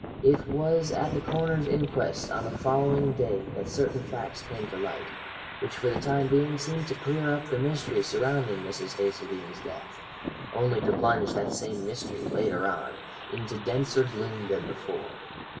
It was at the coroner's inquest on the following day that certain facts came to light, which for the time being seemed to clear up the mystery surrounding Mrs. Hazeldene's death, only to plunge that same mystery, later on, into denser gloom than before.